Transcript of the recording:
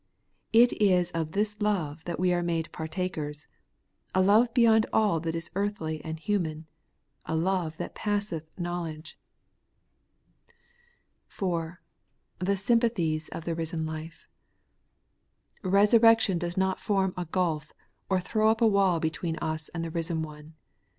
It is of this love that we are made partakers ; a love beyond all that is earthly and human ; a love that passeth knowledge. TVJiat the Resurrection of the Svhstitute has done. 137 4. The sympathies of the risen life, Eesurrection does not form a gulf or throw up a wall between ns and the risen One.